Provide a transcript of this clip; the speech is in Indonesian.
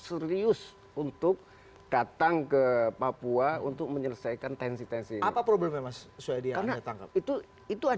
serius untuk datang ke papua untuk menyelesaikan tensi tensi apa problemnya mas tangkap itu itu